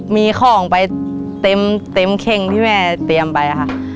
มีของไปเต็มเข้งที่แม่เตรียมไปค่ะ